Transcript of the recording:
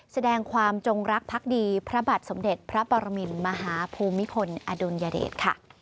แสดงความจงรักพักดีพระบาทสมเด็จพระปรมินมหาภูมิพลอดุลยเดชค่ะ